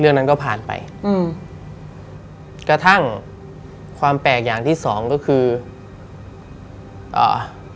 เรื่องนั้นก็ผ่านไปอืมกระทั่งความแปลกอย่างที่สองก็คืออ่า